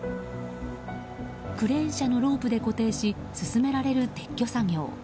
クレーン車のロープで固定し進められる撤去作業。